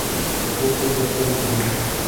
Ocupó el puesto No.